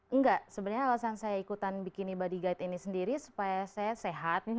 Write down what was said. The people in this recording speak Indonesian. enggak sebenarnya alasan saya ikutan bikini body guide ini sendiri supaya saya sehat